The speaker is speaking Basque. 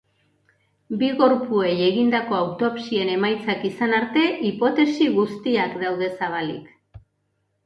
Bi gorpuei egindako autopsien emaitzak izan arte, hipotesi guztiak daude zabalik.